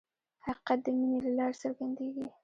حقیقت د مینې له لارې څرګندېږي.